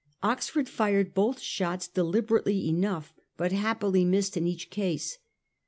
Oxford fired both shots deliberately enough, but happily missed in each case.